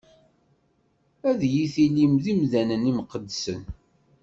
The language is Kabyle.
Ad yi-tilim d imdanen imqeddsen.